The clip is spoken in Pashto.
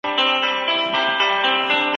دولت باید د احتکار مخنیوی وکړي.